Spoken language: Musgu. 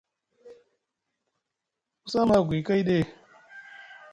Ku saa maa agwi kai ɗi ?